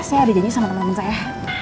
saya ada janji sama temen temen saya